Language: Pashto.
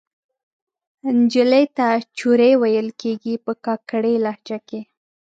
نجلۍ ته چورۍ ویل کیږي په کاکړۍ لهجه کښې